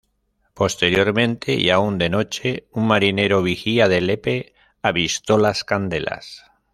Posteriormente, y aún de noche, un marinero vigía de Lepe avistó las candelas.